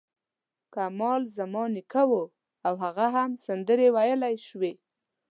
کمال زما نیکه و او هغه هم سندرې ویلای شوې.